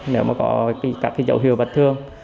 nếu có các dấu hiệu bật thương